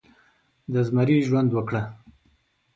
د زمري ژوند وکړه